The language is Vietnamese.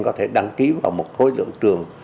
có thể đăng ký vào một khối lượng trường